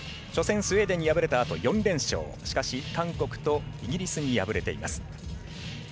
初戦、スウェーデンに敗れたあとしかし、韓国とイギリスに敗れています。